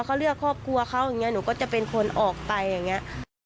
เขาเลือกครอบครัวเขาอย่างนี้หนูก็จะเป็นคนออกไปอย่างนี้